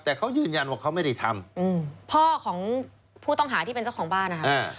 แต่เขายืนยันว่าเขาไม่ได้ทำพ่อของผู้ต้องหาที่เป็นเจ้าของบ้านนะคะ